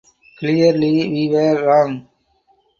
Clearly we were wrong.